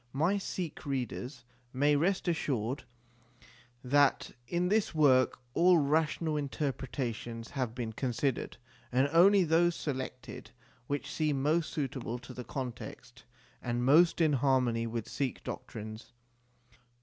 My Sikh readers may rest assured that in this work all rational inter pretations have been considered, and only those selected which seemed most suitable to the context and most in harmony with Sikh doctrines.